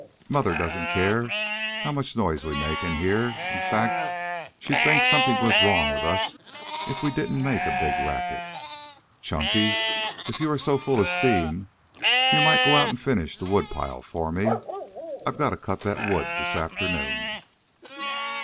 Mother doesn't care how much noise we make in here. In fact, she'd think something was wrong with us if we didn't make a big racket. Chunky, if you are so full of steam you might go out and finish the woodpile for me. I've got to cut that wood this afternoon."